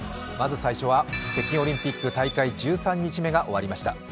まず最初は、北京オリンピック大会１３日目が終わりました。